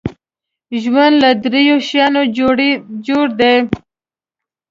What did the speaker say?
ژوند له دریو شیانو جوړ دی .